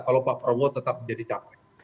kalau pak prabowo tetap menjadi capres